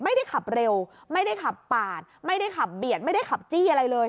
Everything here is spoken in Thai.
ไม่ได้ขับเร็วไม่ได้ขับปาดไม่ได้ขับเบียดไม่ได้ขับจี้อะไรเลย